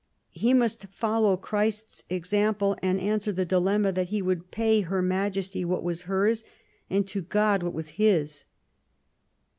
He must follow Christ's example and answer the dilemma that he would pay Her Majesty what was hers, and to God what was His.